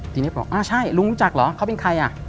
ทีนี้บอกอ่าใช่ลุงรู้จักเหรอเขาเป็นใครอ่ะ